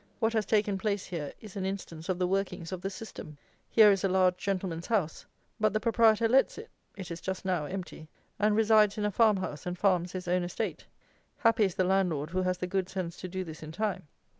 What has taken place here is an instance of the workings of the system. Here is a large gentleman's house. But the proprietor lets it (it is, just now, empty), and resides in a farmhouse and farms his own estate. Happy is the landlord who has the good sense to do this in time.